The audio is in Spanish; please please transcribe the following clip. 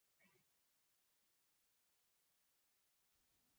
Ermengarda, la esposa del emperador Ludovico Pío fue probablemente su sobrina.